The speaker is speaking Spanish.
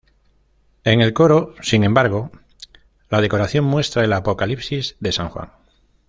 En el coro, sin embargo, la decoración muestra el Apocalipsis de San Juan.